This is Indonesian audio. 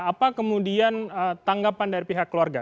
apa kemudian tanggapan dari pihak keluarga